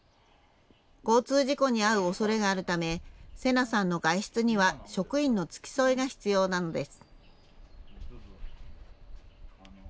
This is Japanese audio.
交通事故に遭うおそれがあるため、せなさんの外出には、職員の付き添いが必要なのです。